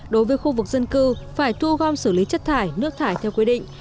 đối với khu vực dân cư phải thu gom xử lý chất thải nước thải theo quy định